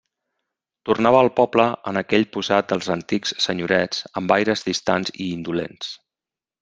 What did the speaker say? Tornava al poble en aquell posat dels antics senyorets amb aires distants i indolents.